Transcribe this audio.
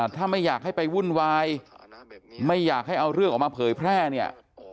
ถ้าไม่อยากให้ไปวุ่นวายไม่อยากให้เอาเรื่องออกมาเผยแพร่เนี่ย